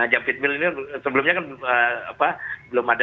javid mil ini sebelumnya kan belum ada